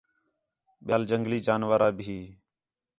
ٻِیال جنگلی جانور آ بھی